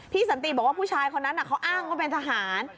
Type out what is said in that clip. สันติบอกว่าผู้ชายคนนั้นเขาอ้างว่าเป็นทหาร